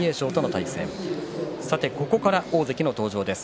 ここから大関の登場です。